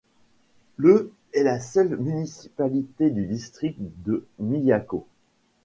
Le est la seule municipalité du district de Miyako.